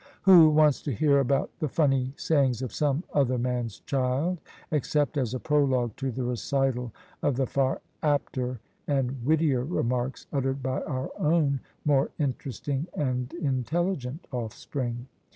Who wants to hear about the funny sayings of some other man's child, except as a prologue to the recital of the far apter and wittier remarks uttered by our own more interesting and intelligent offspring?